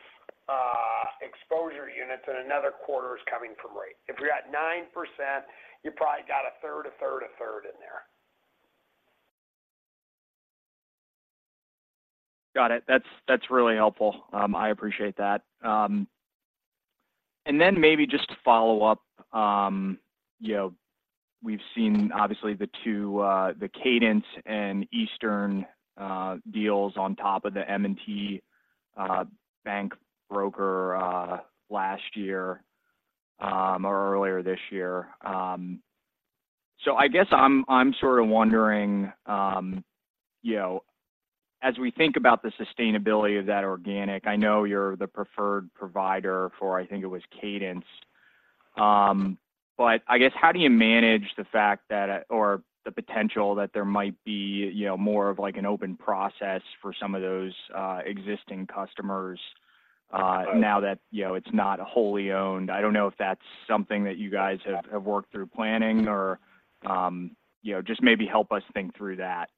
exposure units, and another quarter is coming from rate. If you're at 9%, you probably got a third, a third, a third in there. Got it. That's, that's really helpful. I appreciate that. And then maybe just to follow up, you know, we've seen obviously the two, the Cadence and Eastern deals on top of the M&T bank broker last year, or earlier this year. I guess I'm, I'm sort of wondering, you know, as we think about the sustainability of that organic, I know you're the preferred provider for, I think it was Cadence. I guess, how do you manage the fact that, or the potential that there might be, you know, more of like an open process for some of those existing customers, now that, you know, it's not wholly owned? I don't know if that's something that you guys have, have worked through planning or, you know, just maybe help us think through that.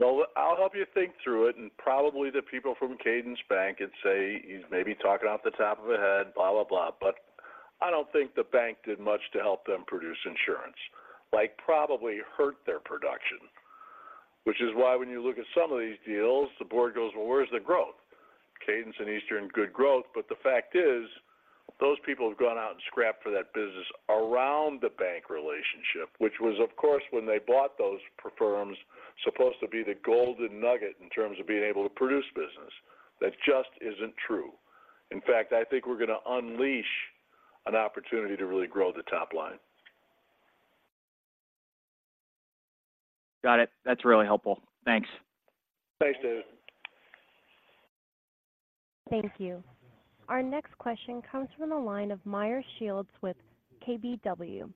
Well, I'll help you think through it, and probably the people from Cadence Bank would say he's maybe talking off the top of his head, blah, blah, blah. But I don't think the bank did much to help them produce insurance. Like, probably hurt their production, which is why when you look at some of these deals, the board goes, "Well, where's the growth?" Cadence and Eastern, good growth, but the fact is, those people have gone out and scrapped for that business around the bank relationship, which was, of course, when they bought those firms, supposed to be the golden nugget in terms of being able to produce business. That just isn't true. In fact, I think we're going to unleash an opportunity to really grow the top line. Got it. That's really helpful. Thanks. Thanks, David. Thank you. Our next question comes from the line of Meyer Shields with KBW.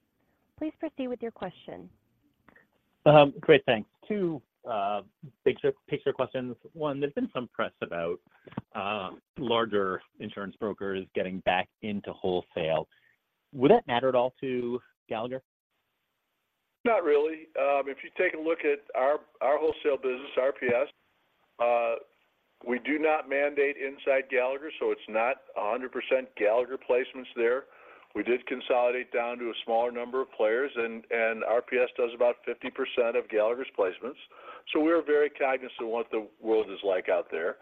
Please proceed with your question. Great, thanks. Two big picture questions. One, there's been some press about larger insurance brokers getting back into wholesale. Would that matter at all to Gallagher? Not really. If you take a look at our wholesale business, RPS, we do not mandate inside Gallagher, so it's not 100% Gallagher placements there. We did consolidate down to a smaller number of players, and RPS does about 50% of Gallagher's placements, so we're very cognizant of what the world is like out there.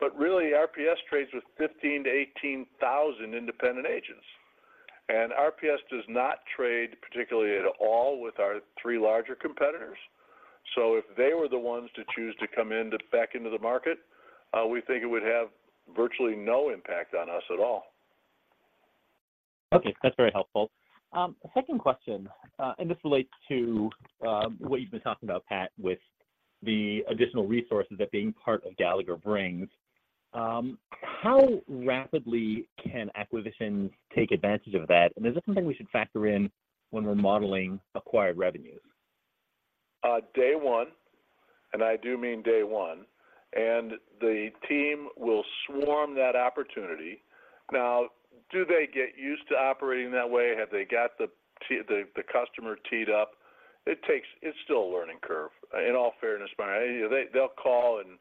But really, RPS trades with 15,000-18,000 independent agents, and RPS does not trade, particularly at all, with our three larger competitors. So if they were the ones to choose to come back into the market, we think it would have virtually no impact on us at all. Okay, that's very helpful. Second question, and this relates to what you've been talking about, Pat, with the additional resources that being part of Gallagher brings. How rapidly can acquisitions take advantage of that? And is there something we should factor in when we're modeling acquired revenues? Day one, and I do mean day one, and the team will swarm that opportunity. Now, do they get used to operating that way? Have they got the customer teed up? It takes. It's still a learning curve, in all fairness, Meyer. They'll call, and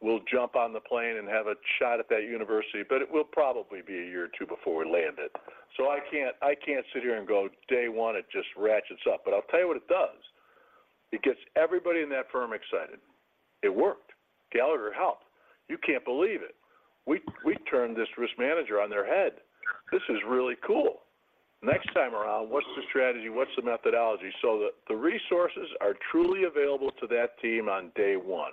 we'll jump on the plane and have a shot at that university, but it will probably be a year or two before we land it. So I can't sit here and go, day one, it just ratchets up. But I'll tell you what it does. It gets everybody in that firm excited. It worked. Gallagher helped. You can't believe it. We turned this risk manager on their head. This is really cool. Next time around, what's the strategy? What's the methodology? So the resources are truly available to that team on day one.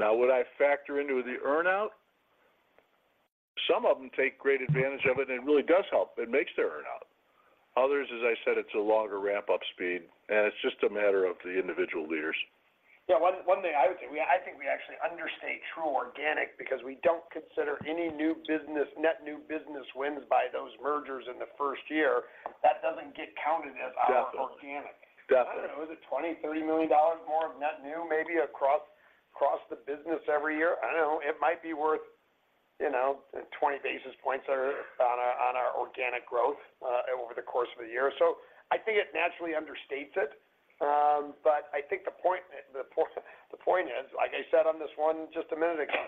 Now, would I factor into the earn-out? Some of them take great advantage of it, and it really does help. It makes their earn-out. Others, as I said, it's a longer ramp-up speed, and it's just a matter of the individual leaders. Yeah, one thing I would say, we, I think we actually understate true organic because we don't consider any new business, net new business wins by those mergers in the first year. That doesn't get counted as- Definitely... our organic. Definitely. I don't know, is it $20-$30 million more of net new, maybe across the business every year? I don't know. It might be worth, you know, 20 basis points on our organic growth over the course of a year. So I think it naturally understates it. But I think the point is, like I said on this one just a minute ago,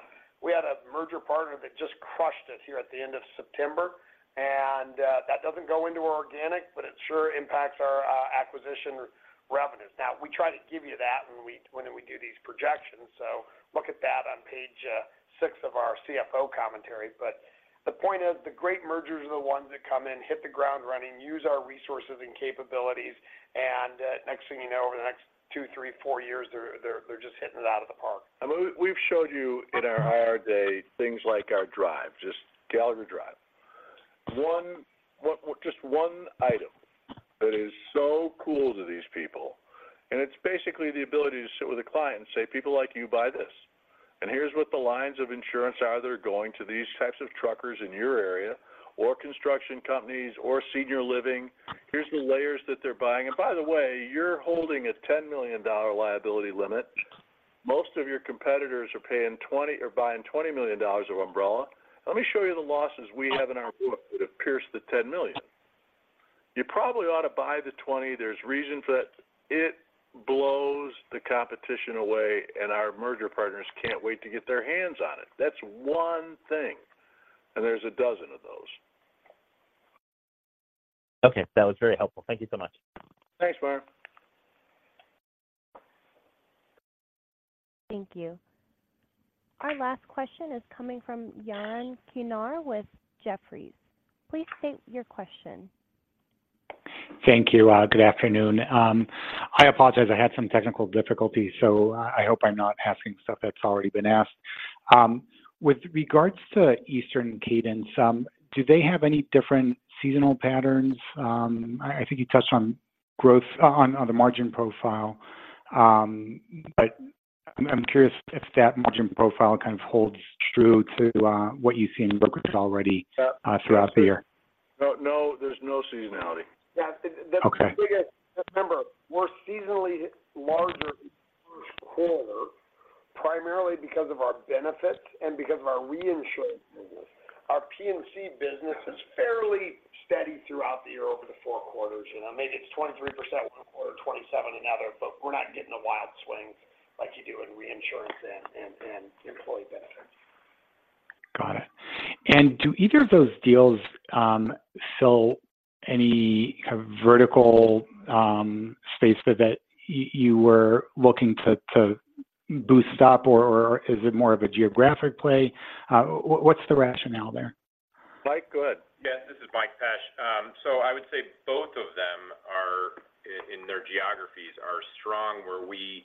we had a merger partner that just crushed us here at the end of September, and that doesn't go into organic, but it sure impacts our acquisition revenues. Now, we try to give you that when we do these projections, so look at that on page 6 of our CFO commentary. But the point is, the great mergers are the ones that come in, hit the ground running, use our resources and capabilities, and next thing you know, over the next two, three, four years, they're just hitting it out of the park. And we, we've showed you in our IR day, things like our Gallagher Drive. One, just one item that is so cool to these people, and it's basically the ability to sit with a client and say, "People like you buy this. And here's what the lines of insurance are that are going to these types of truckers in your area or construction companies or senior living. Here's the layers that they're buying. And by the way, you're holding a $10 million liability limit. Most of your competitors are paying 20 or buying $20 million of umbrella. Let me show you the losses we have in our book that have pierced the $10 million. You probably ought to buy the 20. There's reasons that-" It blows the competition away, and our merger partners can't wait to get their hands on it. That's one thing, and there's a dozen of those. Okay, that was very helpful. Thank you so much. Thanks, Mark. Thank you. Our last question is coming from Yaron Kinar with Jefferies. Please state your question. Thank you. Good afternoon. I apologize. I had some technical difficulties, so I hope I'm not asking stuff that's already been asked. With regards to Eastern Cadence, do they have any different seasonal patterns? I think you touched on growth on the margin profile. But I'm curious if that margin profile kind of holds true to what you see in brokers already- Yeah. throughout the year? No, no, there's no seasonality. Yeah, the- Okay. The biggest, remember, we're seasonally larger quarter, primarily because of our benefits and because of our reinsurance. Our P&C business is fairly steady throughout the year over the four quarters. You know, maybe it's 23%, one quarter, 27% another, but we're not getting the wild swings like you do in reinsurance and employee benefits. Got it. And do either of those deals fill any kind of vertical space that you were looking to boost up, or is it more of a geographic play? What's the rationale there? Mike, go ahead. Yes, this is Mike Pesch. So I would say both of them are, in their geographies, are strong where we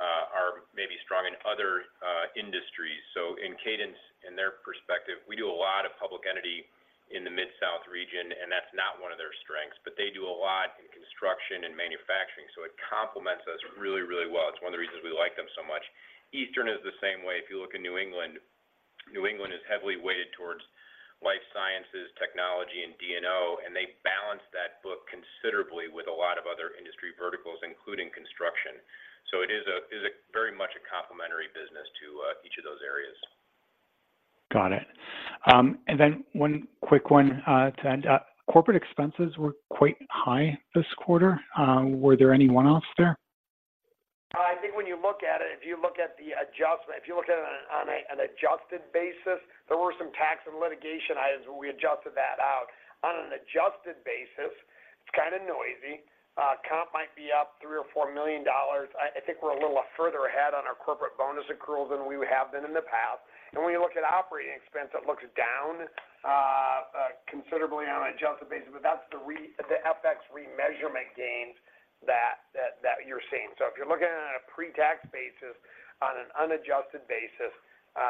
are maybe strong in other industries. So in Cadence and their perspective, we do a lot of public entity in the mid-south region, and that's not one of their strengths, but they do a lot in construction and manufacturing, so it complements us really, really well. It's one of the reasons we like them so much. Eastern is the same way. If you look in New England, New England is heavily weighted towards life sciences, technology, and D&O, and they balance that book considerably with a lot of other industry verticals, including construction. So it is a very much a complementary business to each of those areas. Got it. And then one quick one to end up. Corporate expenses were quite high this quarter. Were there anyone else there? I think when you look at it, if you look at the adjustment, if you look at it on an adjusted basis, there were some tax and litigation items; we adjusted that out. On an adjusted basis, it's kind of noisy. Comp might be up $3 million-$4 million. I think we're a little further ahead on our corporate bonus accrual than we have been in the past. And when you look at operating expense, it looks down considerably on an adjusted basis, but that's the FX remeasurement gains that you're seeing. So if you're looking at it on a pre-tax basis, on an unadjusted basis,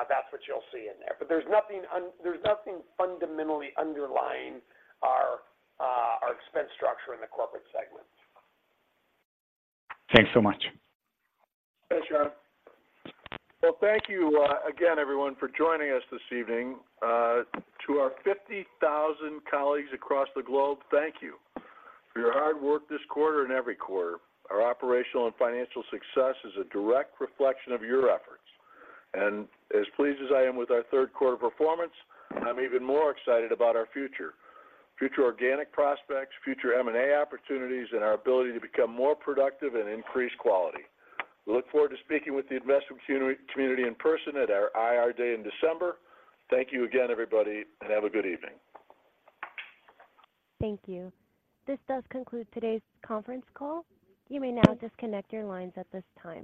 that's what you'll see in there. But there's nothing fundamentally underlying our expense structure in the corporate segment. Thanks so much. Thanks, John. Well, thank you again, everyone, for joining us this evening. To our 50,000 colleagues across the globe, thank you for your hard work this quarter and every quarter. Our operational and financial success is a direct reflection of your efforts. As pleased as I am with our third quarter performance, I'm even more excited about our future. Future organic prospects, future M&A opportunities, and our ability to become more productive and increase quality. We look forward to speaking with the investment community in person at our IR day in December. Thank you again, everybody, and have a good evening. Thank you. This does conclude today's conference call. You may now disconnect your lines at this time.